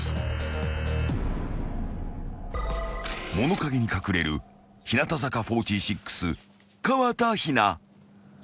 ［物陰に隠れる日向坂４６河田陽菜］